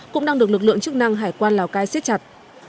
cũng đang được lực lượng chức năng hải quan lào cai siết chặt